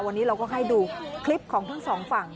วันนี้เราก็ให้ดูคลิปของทั้งสองฝั่ง